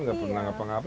gak pernah apa apa